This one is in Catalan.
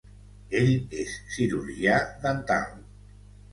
Ell és cirurgià dental.